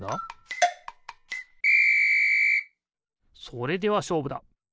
それではしょうぶだ。